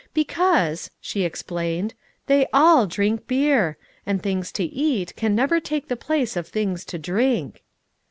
" Be cause," she explained, " they aU drink beer ; and things to eat, can never take the place of things to drink."